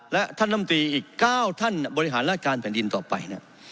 และท่านลำตรีอีก๙ท่านบริหารราชการแผ่นดินต่อไป